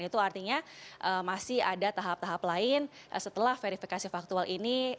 itu artinya masih ada tahap tahap lain setelah verifikasi faktual ini